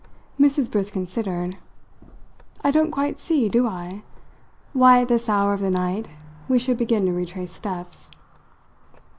Mrs. Briss considered. "I don't quite see, do I? why, at this hour of the night, we should begin to retrace steps."